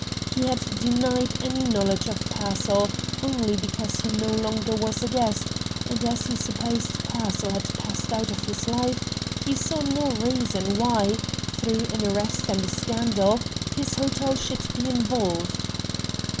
He had denied any knowledge of Pearsall only because he no longer was a guest, and, as he supposed Pearsall had passed out of his life, he saw no reason, why, through an arrest and a scandal, his hotel should be involved.